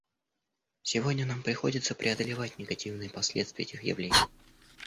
Сегодня нам приходится преодолевать негативные последствия этих явлений.